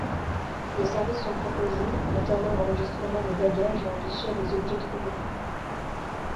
Des services sont proposés, notamment l'enregistrement des bagages et un guichet des objets trouvés.